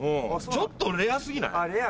ちょっとレア過ぎない？